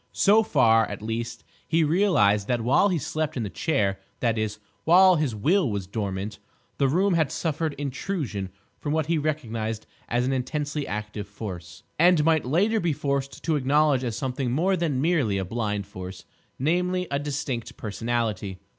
So far, at least, he realised that while he slept in the chair—that is, while his will was dormant—the room had suffered intrusion from what he recognised as an intensely active Force, and might later be forced to acknowledge as something more than merely a blind force, namely, a distinct personality.